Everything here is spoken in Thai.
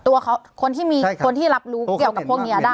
ตัวเขาคนที่มีคนที่รับรู้เกี่ยวกับพวกนี้ได้